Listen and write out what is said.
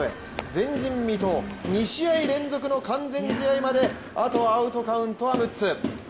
前人未到、２試合連続の完全試合まで、あとアウトは６つ。